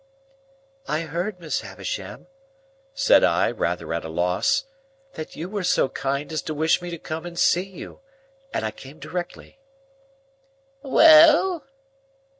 "I heard, Miss Havisham," said I, rather at a loss, "that you were so kind as to wish me to come and see you, and I came directly." "Well?"